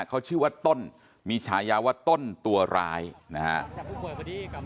เขาชื่อว่าต้นมีฉายาว่าต้นตัวร้ายนะฮะ